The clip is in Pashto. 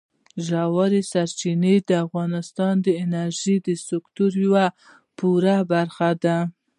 ژورې سرچینې د افغانستان د انرژۍ د سکتور یوه پوره برخه ده.